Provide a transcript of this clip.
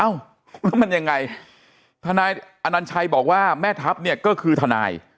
แล้วมันยังไงทนายอนัญชัยบอกว่าแม่ทัพเนี่ยก็คือทนาย